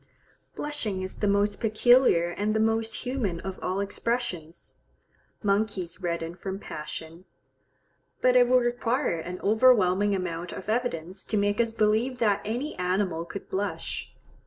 Blushing is the most peculiar and the most human of all expressions. Monkeys redden from passion, but it would require an overwhelming amount of evidence to make us believe that any animal could blush.